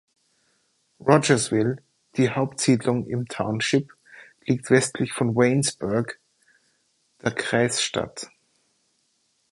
Rogersville, die Hauptsiedlung im Township, liegt westlich von Waynesburg, der Kreisstadt.